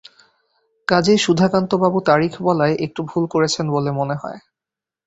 কাজেই সুধাকান্তবাবু তারিখ বলায় একটু ভুল করেছেন বলে মনে হয়।